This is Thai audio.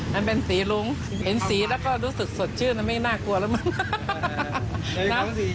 มันเป็นสีลุงเห็นสีแล้วก็รู้สึกสดชื่นมันไม่น่ากลัวแล้วมั้ง